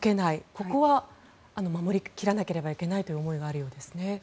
ここは守り切らなければいけないという思いがあるようですね。